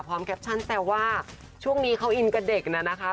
พร้อมแคปชันแต่ว่าช่วงนี้เขาอินกับเด็กน่ะนะคะ